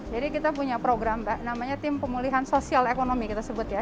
jadi kita punya program mbak namanya tim pemulihan sosial ekonomi kita sebut ya